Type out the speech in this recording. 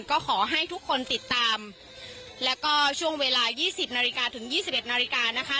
ก็ขอให้ทุกคนติดตามแล้วก็ช่วงเวลายี่สิบนาฬิกาถึงยี่สิบเอ็ดนาฬิกานะคะ